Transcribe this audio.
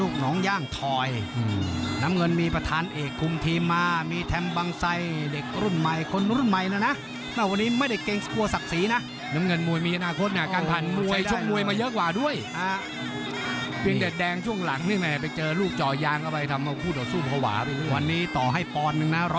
ไฟมีตาแก้งซ้ายสาดอันนี้ดูสุขุมนะนิ่งดีเหลือเกิน